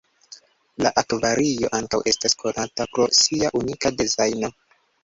La akvario ankaŭ estas konata pro sia unika dezajno.